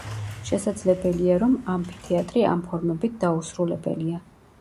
შესაძლებელია, რომ ამფითეატრი ამ ფორმებით დაუსრულებელია.